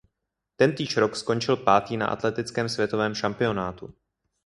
Tentýž rok skončil pátý na atletickém světovém šampionátu.